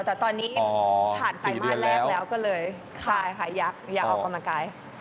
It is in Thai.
แต่ตอนนี้ผ่านไตรมาสแรกแล้วก็เลยคายค่ะอยากออกกำลังกาย